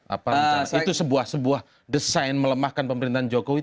apakah itu sebuah sebuah desain melemahkan pemerintahan jokowi